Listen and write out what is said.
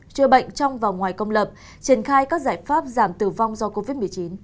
chữa bệnh trong và ngoài công lập triển khai các giải pháp giảm tử vong do covid một mươi chín